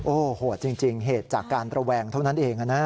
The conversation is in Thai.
โอ้โหโหดจริงเหตุจากการระแวงเท่านั้นเองนะ